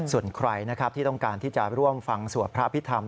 ส่วนใครนะครับที่ต้องการที่จะร่วมฟังสวดพระพิธรรม